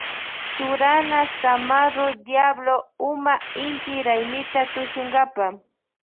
Churana zamarro diablo huma inti raymita tushunkapa.